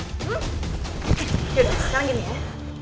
yaudah sekarang gini ya